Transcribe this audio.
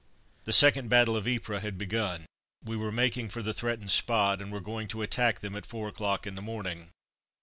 The second battle of Ypres had begun. We were making for the threatened spot, and were going to attack them at four o'clock in the morning.